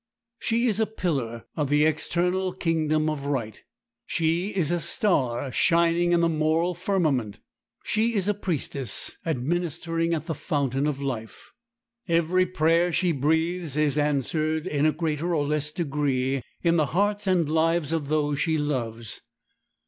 She is a pillar of the external kingdom of right. She is a star, shining in the moral firmament. She is a priestess, administering at the fountain of life. Every prayer she breathes is answered, in a greater or less degree, in the hearts and lives of those she loves.